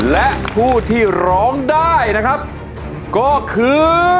และผู้ที่ร้องได้นะครับก็คือ